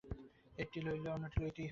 একটি লইলে অন্যটিকে লইতেই হইবে।